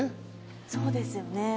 そうですよね